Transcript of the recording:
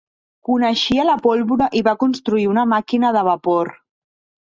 Coneixia la pólvora i va construir una màquina de vapor.